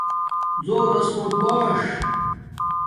زݸراس کوٹ باݽ